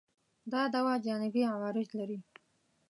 دا دوا جانبي عوارض لري؟